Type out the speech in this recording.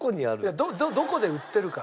どこで売ってるか。